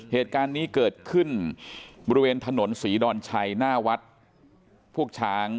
เหตุการณ์นี้เกิดขึ้นบริเวณถนนศรีดอนชัยหน้าวัดพวกช้าง